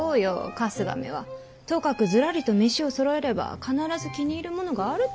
春日めはとかくずらりと飯をそろえれば必ず気に入るものがあると思うておるのよ。